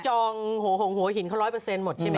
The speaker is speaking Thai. จองหโหงหวุยหินก็ร้อยเปอร์เซ็นต์หมดใช่ไหม